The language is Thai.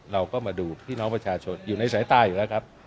เราก็มาดูพี่น้องประชาชนอยู่ในสายตาอยู่แล้วครับ